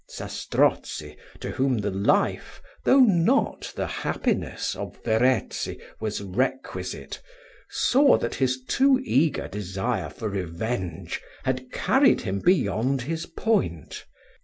Zastrozzi, to whom the life, though not the happiness of Verezzi was requisite, saw that his too eager desire for revenge had carried him beyond his point.